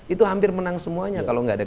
itu hampir menang semuanya kalau nggak ada